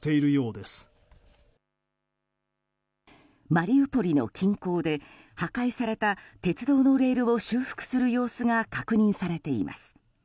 マリウポリの近郊で破壊された鉄道のレールを修復する様子が確認されています。